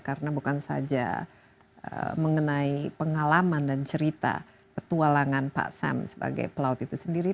karena bukan saja mengenai pengalaman dan cerita petualangan pak sam sebagai pelaut itu sendiri